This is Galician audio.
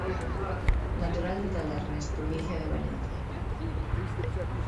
Natural de Tavernes, provincia de Valencia.